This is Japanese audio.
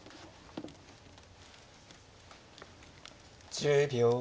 １０秒。